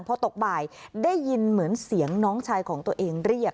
พอตกบ่ายได้ยินเหมือนเสียงน้องชายของตัวเองเรียก